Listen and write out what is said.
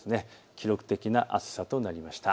記録的な暑さとなりました。